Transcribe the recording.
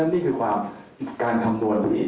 แล้วนี่คือการคำนวนนี้